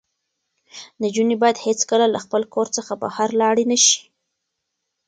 نجونې باید هېڅکله له خپل کور څخه بهر لاړې نه شي.